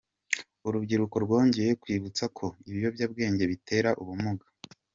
Urubyiruko rwongeye kwibutswa ko ibiyobyabwenge bitera ubumuga